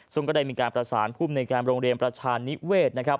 ซึ่งก็ได้มีการประสานภูมิในการโรงเรียนประชานิเวศนะครับ